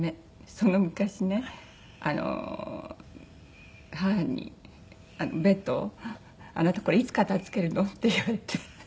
その昔ねあの母にベッド「あなたこれいつ片付けるの？」って言われて。